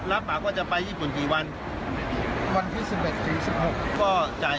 รับปากว่าจะไปญี่ปุ่นกี่วันวันที่สิบเอ็ดถึงสิบหกก็จ่าย